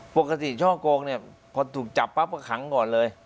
ช่อกงเนี่ยพอถูกจับปั๊บก็ขังก่อนเลย